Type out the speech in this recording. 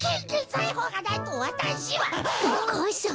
お母さん！？